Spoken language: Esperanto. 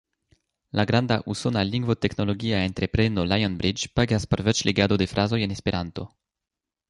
La granda usona lingvoteknologia entrepreno Lionbridge pagas por voĉlegado de frazoj en Esperanto.